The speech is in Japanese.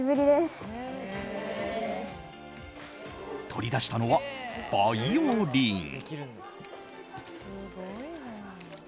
取り出したのはバイオリン。